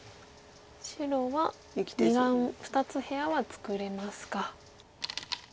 白は２眼２つ部屋は作れますか。